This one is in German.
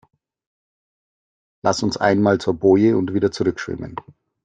Lass uns einmal zur Boje und wieder zurück schwimmen.